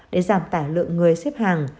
để giảm tải lượng người xếp hàng